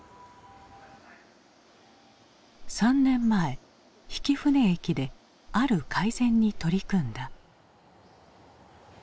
３年前曳舟駅である改善に取り組んだ。